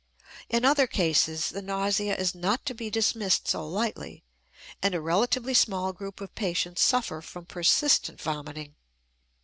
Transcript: In other cases the nausea is not to be dismissed so lightly; and a relatively small group of patients suffer from persistent vomiting.